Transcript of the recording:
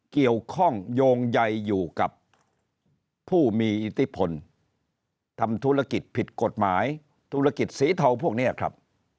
เกี่ยวข้องโยงใยอยู่กับผู้มีอิทธิพลทำธุรกิจผิดกฎหมายธุรกิจสีเทาพวกนี้ครับ